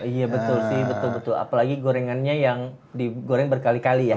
iya betul sih betul betul apalagi gorengannya yang digoreng berkali kali ya